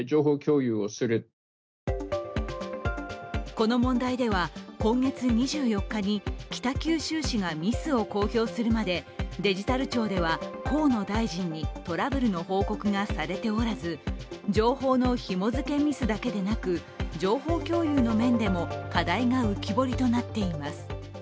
この問題では今月２４日に北九州市がミスを公表するまでデジタル庁では河野大臣にトラブルの報告がされておらず情報のひも付けミスだけでなく情報共有の面でも課題が浮き彫りとなっています。